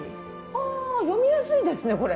わあ読みやすいですねこれ。